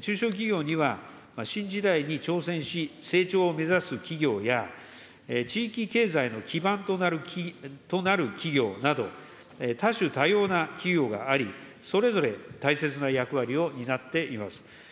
中小企業には新時代に挑戦し、成長を目指す企業や、地域経済の基盤となる企業など、多種多様な企業があり、それぞれ大切な役割を担っています。